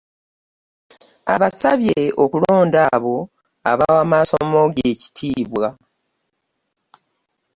Abasabye okulonda abo abawa Maaso moogi ekitiibwa.